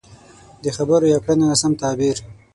د خبرو يا کړنو ناسم تعبير.